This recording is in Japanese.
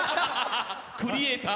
クリエイター。